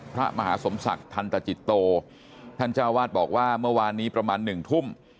พระมหาสมศักดิ์ทันตจิตโตท่านเจ้าวาดบอกว่าเมื่อวานนี้ประมาณหนึ่งทุ่ม